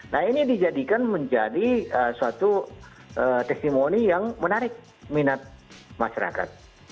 nah ini dijadikan menjadi suatu testimoni yang menarik minat masyarakat